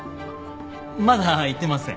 まだ言ってません。